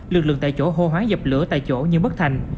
lực lượng tại chỗ hô hóa dập lửa tại chỗ như bất thành